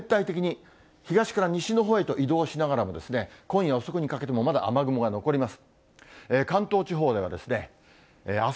全体的に東から西のほうへと移動しながらも、今夜遅くにかけては、まだ雨雲が残ります。